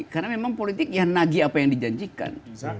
karena memang politik yang nagi apa yang dijanjikan